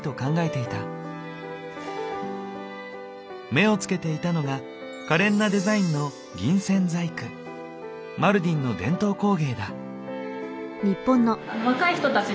目をつけていたのがかれんなデザインのマルディンの伝統工芸だ。